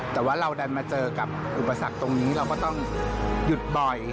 แต่ว่าเราดันมาเจอกับอุปสรรคตรงนี้เราก็ต้องหยุดบ่อย